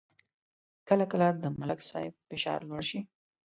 کله کله د ملک صاحب فشار لوړ شي